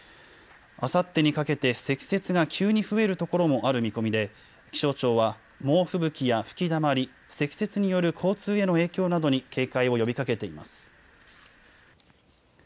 あさってにかけて積雪が急に増えるところもある見込みで気象庁は猛吹雪や吹きだまり、積雪による交通への影響などに警戒を呼びかけています。